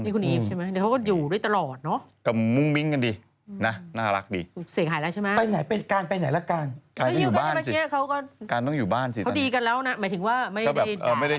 นี่คุณอีฟใช่ไหมเดี๋ยวเขาก็อยู่ด้วยตลอดเนอะ